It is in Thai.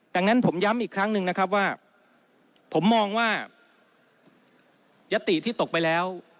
ดังนั้นผมย้ำอีกครั้งผมมองว่ายติที่ตกไปแล้ว